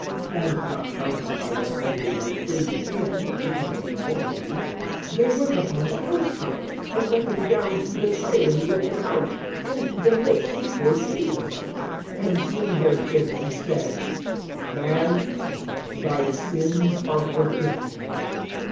(19)And not finding by what way they might bring him in, because of the multitude, they went upon the housetop, and let him down through the tiling with the couch into the midst before Jesus. (20)And seeing their faith he said: Man, thy sins are forgiven thee.